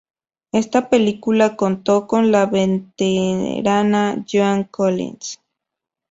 Esta película contó con la veterana Joan Collins.